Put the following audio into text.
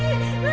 pergi dulu mak